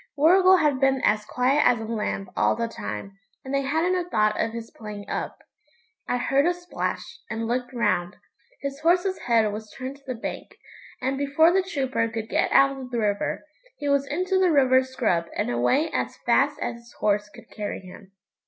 Warrigal had been as quiet as a lamb all the time, and they hadn't a thought of his playing up. I heard a splash, and looked round; his horse's head was turned to the bank, and, before the trooper could get out of the river, he was into the river scrub and away as fast as his horse could carry him.